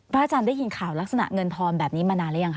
พระอาจารย์ได้ยินข่าวลักษณะเงินพรแบบนี้มานานแล้วยังคะ